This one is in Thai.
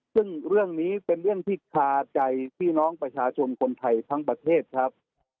ซึ่งเรื่องนี้เป็นเรื่องที่คาใจพี่น้องประชาชนคนไทยทั้งประเทศครับ